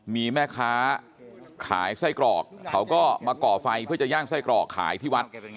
มีแม่ค้าขายไส้กรอกเขาก็มาก่อไฟเพื่อจะย่างไส้กรอกขายที่วัด